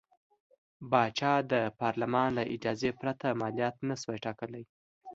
پاچا د پارلمان له اجازې پرته مالیات نه شوای ټاکلی.